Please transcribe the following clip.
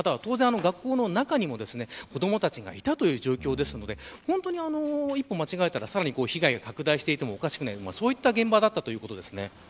学校の中にも子どもたちがいたという状況ですので一歩間違えたら被害が拡大していてもおかしくないそういった現場だったということです。